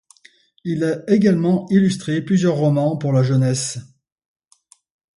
Il a également illustré plusieurs romans pour la jeunesse.